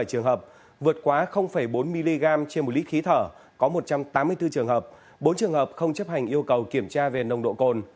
trong đó chưa vượt quá bốn mg trên một lít khí thở có một trăm tám mươi bốn trường hợp bốn trường hợp không chấp hành yêu cầu kiểm tra về nồng độ cồn